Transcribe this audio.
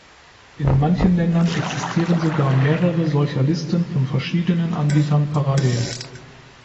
In manchen Ländern existieren sogar mehrere solcher Listen von verschiedenen Anbietern parallel.